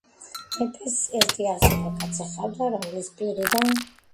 მეფეს ერთი ავსიტყვა კაცი ჰყავდა რომლის პირიდან